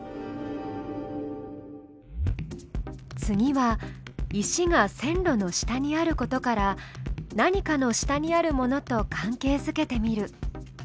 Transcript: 次は石が線路の下にあることから何かの下にあるものと関係づけてみる。